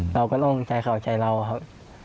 เราก็ต้องใจเข้าใจเราครับ